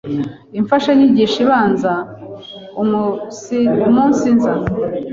Imfashanyigisho ibanza umunsiza